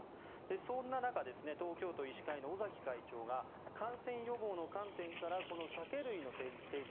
そんな中東京都医師会の尾崎会長が感染予防の観点からこの酒類の提供